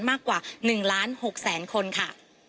มากกว่า๑๖๐๐๐๐๐คนค่ะ